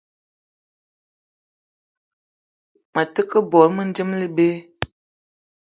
Me te ke bot mendim ibeu.